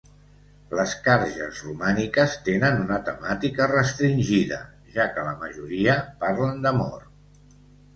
Les "kharjas" romàniques tenen una temàtica restringida, ja que la majoria parlen d'amor.